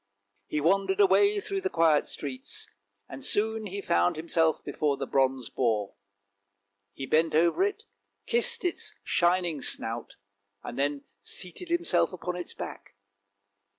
He wandered away through the quiet streets, and soon found himself before the bronze boar; he bent over it, kissed its shining snout, and then seated himself upon its back.